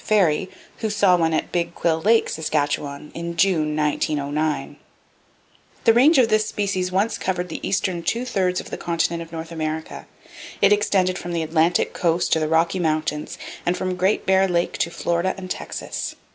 Ferry, who saw one at Big Quill Lake, Saskatchewan, in June, 1909. The range of this species once covered the eastern two thirds of the continent of North America. It extended from the Atlantic coast to the Rocky Mountains, and from Great Bear Lake to Florida and Texas.